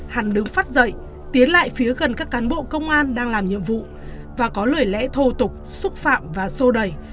hắn đứng phát dậy tiến lại phía gần các cán bộ công an đang làm nhiệm vụ và có lời lẽ thô tục xúc phạm và sô đẩy